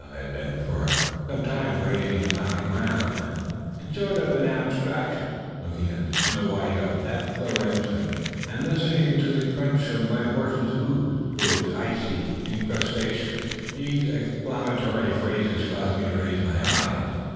I had been for some time gazing upon the ground, in a sort of abstraction, looking: at the snow white efflorescence, and listening to the crunching of my horse's hoofs through its icy incrustation. These exclamatory phrases caused me to raise my eyes.